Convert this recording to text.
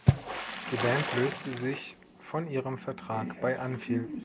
Die Band löste sich von ihrem Vertrag bei Anvil.